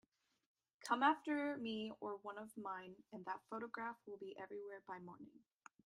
Come after me or one of mine, and that photograph will be everywhere by morning.